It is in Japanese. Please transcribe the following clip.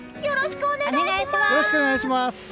よろしくお願いします！